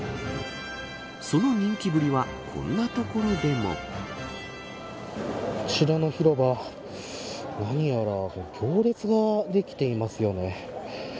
その人気ぶりはこんな所でも。こちらの広場、何やら行列ができていますよね。